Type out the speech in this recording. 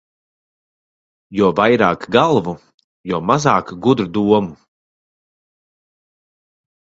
Jo vairāk galvu, jo mazāk gudru domu.